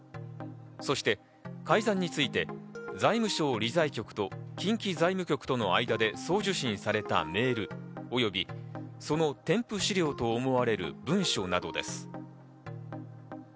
そして改ざんについて財務省理財局と近畿財務局との間で送受信されたメール、及びその添付資料と思われる文書などです。